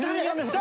誰！？